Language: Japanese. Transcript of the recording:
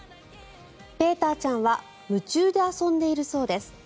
ペーターちゃんは夢中で遊んでいるそうです。